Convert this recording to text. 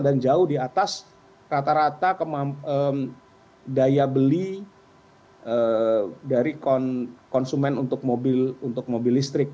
dan jauh di atas rata rata daya beli dari konsumen untuk mobil listrik